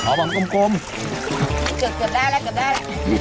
เกือบได้แล้วก็ได้แล้ว